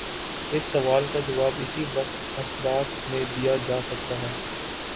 اس سوال کا جواب اسی وقت اثبات میں دیا جا سکتا ہے۔